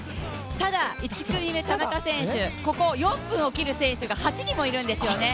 ただ１組目、田中選手、ここは４分を切る選手が８人もいるんですよね。